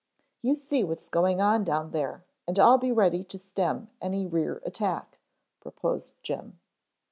You see what's going on down there and I'll be ready to stem any rear attack," proposed Jim.